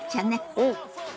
うん！